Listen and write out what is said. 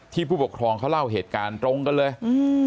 ผู้ปกครองเขาเล่าเหตุการณ์ตรงกันเลยอืม